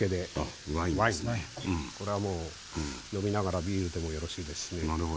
これはもう飲みながらビールでもよろしいですしね。